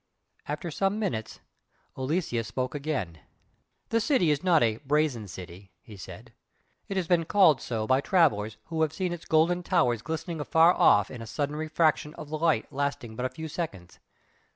After some minutes Aloysius spoke again "The city is not a 'Brazen' City" he said "It has been called so by travellers who have seen its golden towers glistening afar off in a sudden refraction of light lasting but a few seconds.